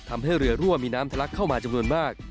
ทำให้เรือรั่วมีน้ำทะลักเข้ามาจำนวนมาก